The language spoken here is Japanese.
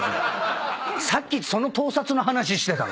さっきその盗撮の話してた。